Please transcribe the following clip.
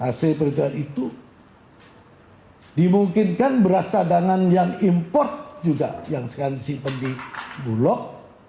hasil perhitungan itu dimungkinkan beras cadangan yang import juga yang sekarang disimpan di bulog